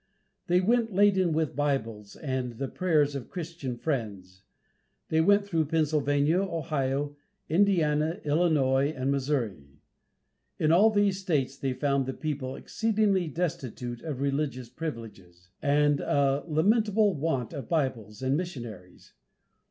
They went laden with Bibles and the prayers of Christian friends. They went through Pennsylvania, Ohio, Indiana, Illinois and Missouri. In all these states they found the people "exceedingly destitute of religious privileges," and a "lamentable want of Bibles and missionaries."